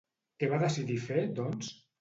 Què va decidir fer, doncs?